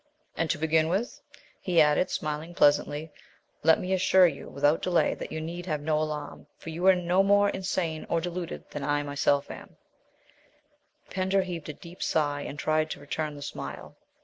"And, to begin with," he added, smiling pleasantly, "let me assure you without delay that you need have no alarm, for you are no more insane or deluded than I myself am " Pender heaved a deep sigh and tried to return the smile.